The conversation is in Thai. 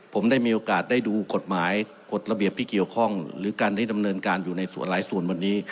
ผมได้มีโอกาสได้ดูกฎหมายกฎระเบียบที่เกี่ยวข้องหรือการได้ดำเนินการอยู่ในส่วนหลายส่วนวันนี้